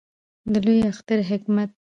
د لوی اختر حکمت